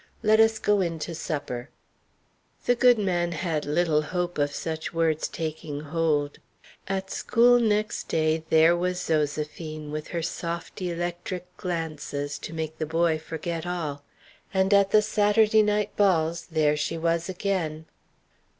Let us go in to supper." The good man had little hope of such words taking hold. At school next day there was Zoséphine with her soft electric glances to make the boy forget all; and at the Saturday night balls there she was again.